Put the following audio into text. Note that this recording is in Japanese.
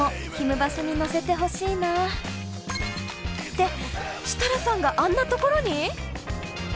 バスに乗せてほしいな。って設楽さんがあんなところに！